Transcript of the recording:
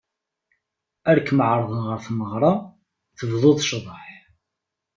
Ar kem-ɛeṛḍen ɣer tmeɣṛa, tebduḍ ccḍeḥ!